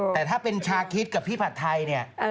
ก็พอแล้วคุณแม่โอ้โฮบอกบุญอะไรแล้ว